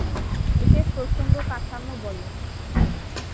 একে প্রসঙ্গ কাঠামো বলে।